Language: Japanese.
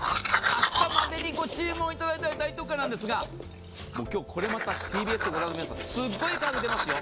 明日までにご注文いただいたら大特価なんですが今日、これまたＴＢＳを御覧の皆さん、すごい価格出ますよ。